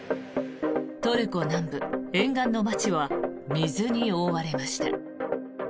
トルコ南部沿岸の街は水に覆われました。